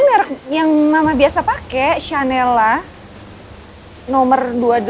ini merek yang mama biasa pakai chanel lah nomor dua puluh delapan